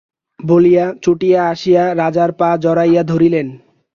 বলিয়া ছুটিয়া আসিয়া রাজার পা জড়াইয়া ধরিলেন।